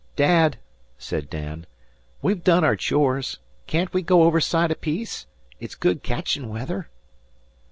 "Dad," said Dan, "we've done our chores. Can't we go overside a piece? It's good catchin' weather."